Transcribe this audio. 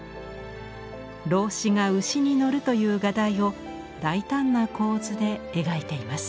老子が牛に乗るという画題を大胆な構図で描いています。